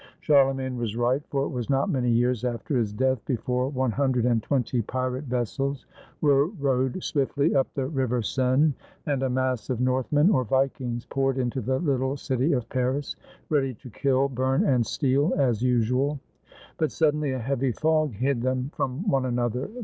Charlemagne was right, for it was not many years after his death before one hundred and twenty pirate 169 FRANCE vessels were rowed swiftly up the River Seine, and a mass of Northmen, or Vikings, poured into the little city of Paris, ready to kill, burn, and steal, as usual. But suddenly a heavy fog hid them from one another.